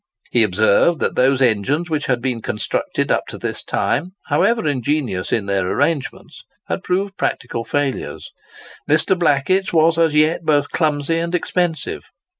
He observed that those engines which had been constructed up to this time, however ingenious in their arrangements, had proved practical failures. Mr. Blackett's was as yet both clumsy and expensive.